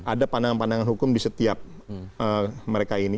ada pandangan pandangan hukum di setiap mereka ini